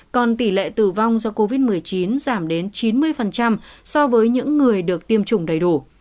còn tỷ lệ tử vong do covid một mươi chín giảm đến chín mươi so với những người được tiêm chủng đầy đủ